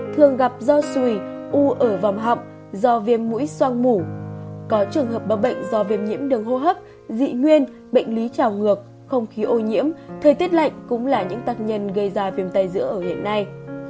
thường gặp do xùi u ở vòng họng do viêm mũi soang mủ có trường hợp bập bệnh do viêm nhiễm đường hô hấp dị nguyên bệnh lý trào ngược không khí ô nhiễm thời tiết lạnh cũng là những tác nhân gây ra viêm tay giữa ở hiện nay